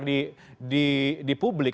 yang cukup familiar di publik